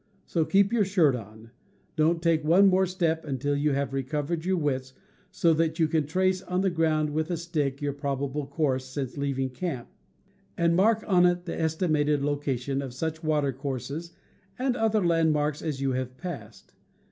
So keep your shirt on. Don't take one more step until you have recovered your wits so that you can trace on the ground with a stick your probable course since leaving camp, and mark on it the estimated location of such watercourses and other landmarks as you have passed.